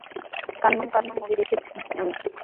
Kannum Kannum movie দেখেছি আমি।